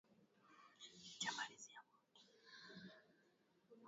Meli ya amani njo ya munene mu lac tanganyika